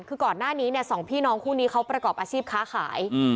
คือก่อนหน้านี้เนี่ยสองพี่น้องคู่นี้เขาประกอบอาชีพค้าขาย